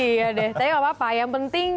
iya deh tapi gapapa yang penting